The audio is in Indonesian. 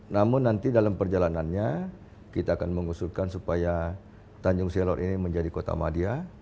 namun nanti dalam perjalanannya kita akan mengusulkan supaya tanjung selor ini menjadi kota madia